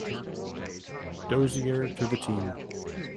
Dozier to the team.